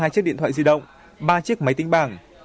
ba mươi hai chiếc điện thoại di động ba chiếc máy tính bảng